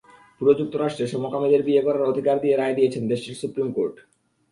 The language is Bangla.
পুরো যুক্তরাষ্ট্রে সমকামীদের বিয়ে করার অধিকার দিয়ে রায় দিয়েছেন দেশটির সুপ্রিম কোর্ট।